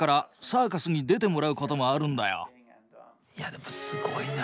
いやでもすごいな。